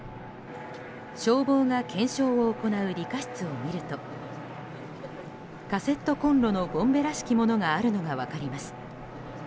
消防が検証を行う理科室を見るとカセットコンロのボンベらしきものがあるのが分かります。